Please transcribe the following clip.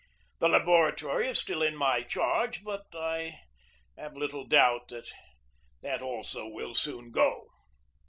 The laboratory is still in my charge, but I have little doubt that that also will soon go.